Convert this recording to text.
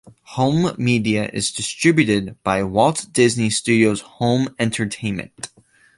Home media is distributed by Walt Disney Studios Home Entertainment.